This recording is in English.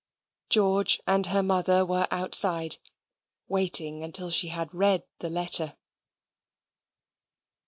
George and her mother were outside, waiting until she had read the letter.